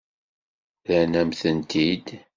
Rran-am-tent-id.